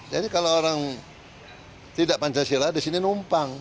jadi kalau orang tidak pancasila di sini numpang